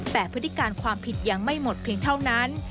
แต่พฤติการความผิดยังไม่หมดเพียงเท่านั้น